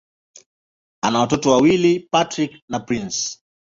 Ana watoto wawili: Patrick na Prince.